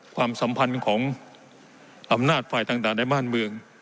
ความสัมพันธ์ของอำนาจฝ่ายต่างในบ้านเมือง